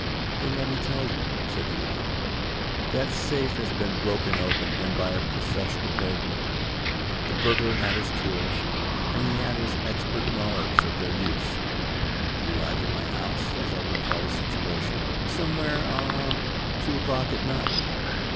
"Then let me tell you," said the Idiot. "That safe has been broken open, and by a professional burglar. The burglar had his tools, and he had his expert knowledge of their use. He arrived at my house, as I recall the situation, somewhere about ah two o'clock at night.